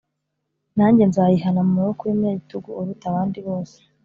nanjye nzayihana mu maboko y umunyagitugu uruta abandi bose